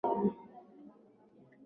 Serikali iliweka lami shuleni